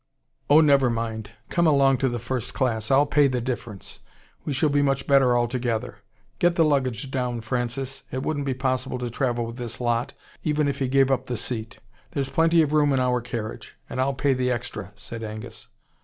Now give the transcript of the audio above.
"Oh, never mind. Come along to the first class. I'll pay the difference. We shall be much better all together. Get the luggage down, Francis. It wouldn't be possible to travel with this lot, even if he gave up the seat. There's plenty of room in our carriage and I'll pay the extra," said Angus.